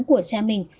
của cha mình